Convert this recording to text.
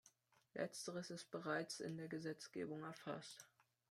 Letzteres ist bereits in der Gesetzgebung erfasst.